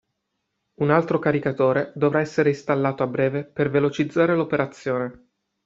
Un altro caricatore dovrà essere installato a breve per velocizzare l'operazione.